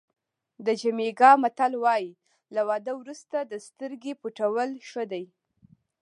د جمیکا متل وایي له واده وروسته د سترګې پټول ښه دي.